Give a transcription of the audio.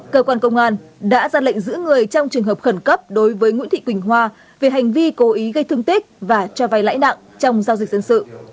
cơ quan công an đã ra lệnh giữ người trong trường hợp khẩn cấp đối với nguyễn thị quỳnh hoa về hành vi cố ý gây thương tích và cho vay lãi nặng trong giao dịch dân sự